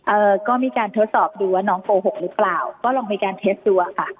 เอ่อก็มีการทดสอบดูว่าน้องโกหกหรือเปล่าก็ลองมีการเทสดูอะค่ะ